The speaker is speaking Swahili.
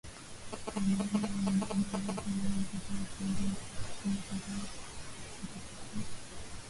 Wanyama wenye ugonjwa huu uzito hupungua kwa kushindwa kuzunguka kutafuta chakula